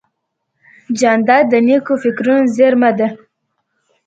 جانداد د نیکو فکرونو زېرمه ده.